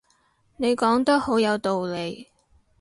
你講得好有道理